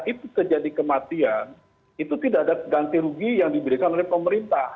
itu terjadi kematian itu tidak ada ganti rugi yang diberikan oleh pemerintah